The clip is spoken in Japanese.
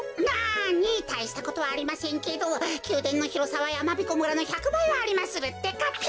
なにたいしたことはありませんけどきゅうでんのひろさはやまびこ村の１００ばいはありまするってか。